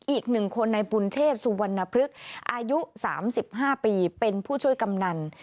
อีก๑คนในบุญเชษสุวรรณพฤกษ์อายุ๓๕ปีเป็นผู้ช่วยกำนัน